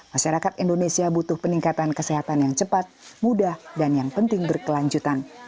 masyarakat indonesia butuh peningkatan kesehatan yang cepat mudah dan yang penting berkelanjutan